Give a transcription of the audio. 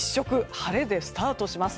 晴れでスタートします。